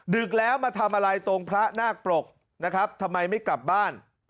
ึกแล้วมาทำอะไรตรงพระนาคปรกนะครับทำไมไม่กลับบ้าน